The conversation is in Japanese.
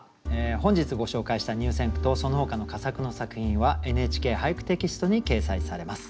本日ご紹介した入選句とそのほかの佳作の作品は「ＮＨＫ俳句」テキストに掲載されます。